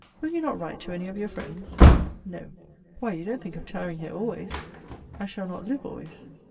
Will you not write to any of your friends? No. Why, you don't think of tarrying here always? I shall not live always.